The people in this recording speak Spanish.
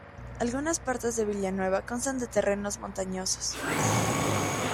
Algunas partes de Villanueva constan de terrenos montañosos.